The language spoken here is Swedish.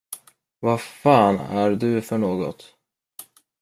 Vad fan är du för något?